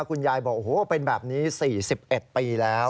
คุณยายบอกโอ้โหเป็นแบบนี้๔๑ปีแล้ว